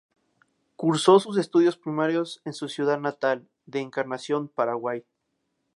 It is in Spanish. Cursó sus estudios primarios en su ciudad natal de Encarnación, Paraguay.